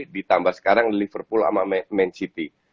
ditambah sekarang liverpool sama man city